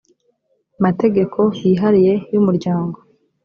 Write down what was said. mategeko yihariye y umuryango